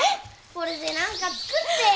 これで何か作ってよ。